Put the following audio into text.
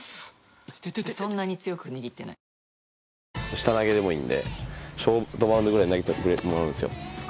下投げでもいいんでショートバウンドぐらい投げてもらうんですよ。